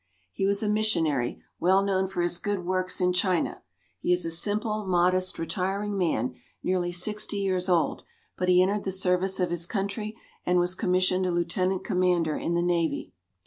He was a missionary, well known for his good works in China. He is a simple, modest, retiring man, nearly sixty years old, but he entered the service of his country and was commissioned a Lieutenant Commander in the Navy.